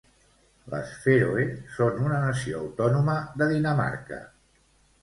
Les Fèroe són una nació autònoma de Dinamarca.